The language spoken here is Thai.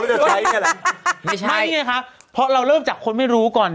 จะใช้นี่แหละไม่ใช่ไม่ไงคะเพราะเราเริ่มจากคนไม่รู้ก่อน